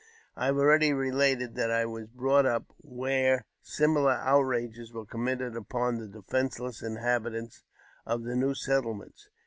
I have already related that I j was brought up where similar outrages were committed upon j the defenceless inhabitants of the new settlements.